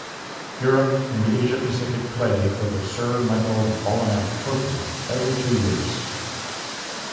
Europe and the Asia-Pacific play for the Sir Michael Bonallack Trophy every two years.